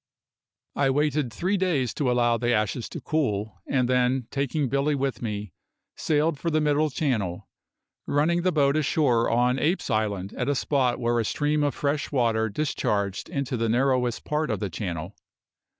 I waited three days to allow the ashes to cool, and then, taking Billy with me, sailed for the Middle Channel, running the boat ashore on Apes' Island at a spot where a stream of fresh water discharged into the narrowest part of the channel.